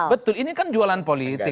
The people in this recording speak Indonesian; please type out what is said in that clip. betul ini kan jualan politik